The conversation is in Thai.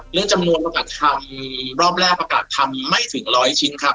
จำนวนประกาศทำรอบแรกประกาศทำไม่ถึงร้อยชิ้นครับ